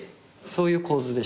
そういう構図でしたね。